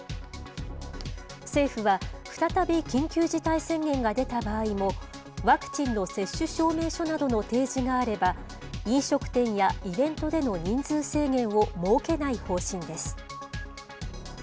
政府は、再び緊急事態宣言が出た場合も、ワクチンの接種証明書などの提示があれば、飲食店やイベントでの人数制限を設けない方針です。